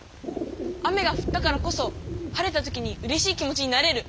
雨がふったからこそ晴れた時にうれしい気持ちになれる。